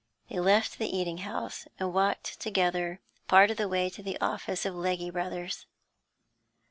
They left the eating house and walked together part of the way to the office of Legge Brothers.